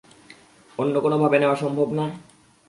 অন্যকোনো ভাবে নেয়া সম্ভব না?